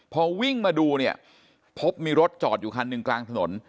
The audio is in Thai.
พอวิ่งมาดูเนี่ยพบมีรถจอดอยู่คันหนึ่งกลางถนน